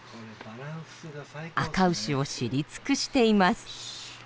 あかうしを知りつくしています。